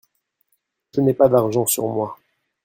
Je n’ai pas d’argent sur moi.